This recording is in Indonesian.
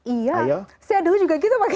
iya saya dulu juga gitu pakai